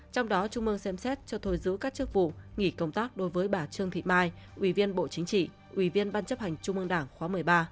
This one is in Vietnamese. trong đó trung ương xem xét cho thôi giữ các chức vụ nghỉ công tác đối với bà trương thị mai ủy viên bộ chính trị ủy viên ban chấp hành trung ương đảng khóa một mươi ba